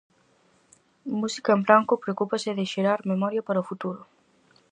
Música en branco preocúpase de xerar memoria para o futuro.